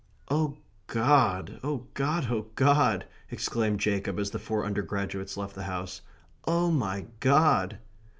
"Oh God, oh God, oh God!" exclaimed Jacob, as the four undergraduates left the house. "Oh, my God!"